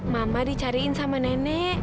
mama dicariin sama nenek